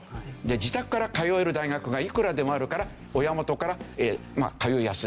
自宅から通える大学がいくらでもあるから親元から通いやすい。